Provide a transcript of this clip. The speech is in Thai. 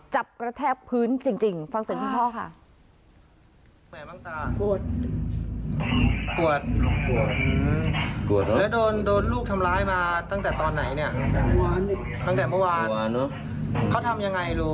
กระแทกพื้นจริงฟังเสียงคุณพ่อค่ะ